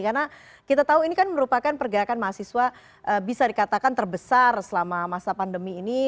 karena kita tahu ini kan merupakan pergerakan mahasiswa bisa dikatakan terbesar selama masa pandemi ini